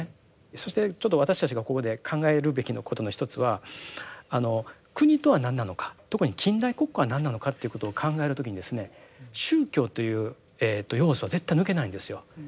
そしてちょっと私たちがここで考えるべきことの一つは国とは何なのか特に近代国家は何なのかっていうことを考える時に宗教という要素は絶対抜けないんですよ。